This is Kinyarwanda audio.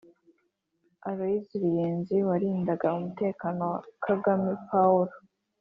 Aloys Ruyenzi warindaga umutekano wa Kagame Pawulo